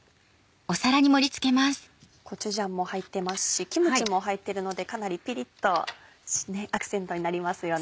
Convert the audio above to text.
コチュジャンも入ってますしキムチも入っているのでかなりピリっとアクセントになりますよね。